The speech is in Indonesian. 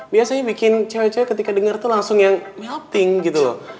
biasanya bikin cewek cewek ketika dengar tuh langsung yang melting gitu loh